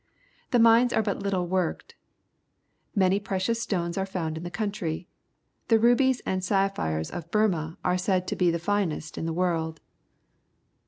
The mines are but Uttle worked. Many precious stones are found in the countrj . The r ubies and sapphires of Burma are said to be the finest in the world.